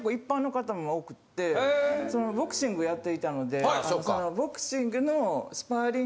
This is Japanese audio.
ボクシングやっていたので。